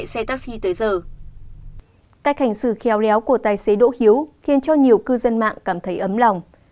cách hành xử khéo léo của tài xế đỗ hiếu khiến cho nhiều cư dân mạng cảm thấy ấm lòng